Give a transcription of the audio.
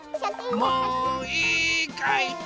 もういいかい？